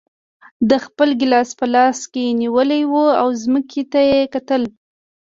ده خپل ګیلاس په لاس کې نیولی و او ځمکې ته یې کتل.